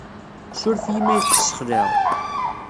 Ssuref-iyi imi ay k-sxelɛeɣ.